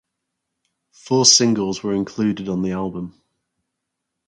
Four singles were included on the album.